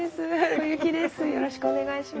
小雪です。